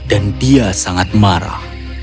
dan dia sangat marah